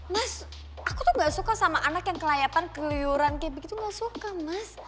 mas aku tuh gak suka sama anak yang kelayatan keliuran kayak begitu gak suka mas